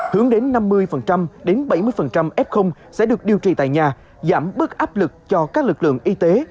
hướng đến năm mươi đến bảy mươi f sẽ được điều trị tại nhà giảm bớt áp lực cho các lực lượng y tế